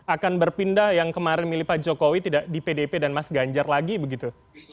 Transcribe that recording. akan berpindah yang kemarin milih pak jokowi tidak di pdp dan mas ganjar lagi begitu